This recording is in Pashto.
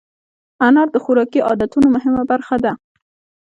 انار د خوراکي عادتونو مهمه برخه ده.